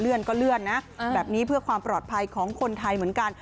เลื่อนก็เลื่อนนะแบบนี้เพื่อความปลอดภัยของคนไทยเหมือนกัน